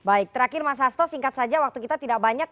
baik terakhir mas hasto singkat saja waktu kita tidak banyak